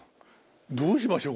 どうしましょう？